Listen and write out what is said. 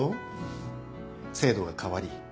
制度が変わり